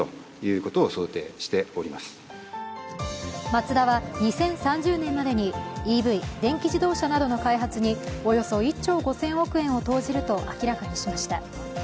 マツダは２０３０年までにＥＶ＝電気自動車などの開発におよそ１兆５０００億円を投じると明らかにしました。